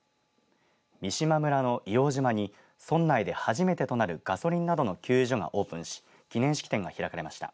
三島村の硫黄島に村内で初めてとなるガソリンなどの給油所がオープンし式典が開かれました。